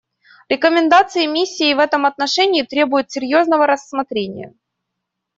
Рекомендации миссии в этом отношении требуют серьезного рассмотрения.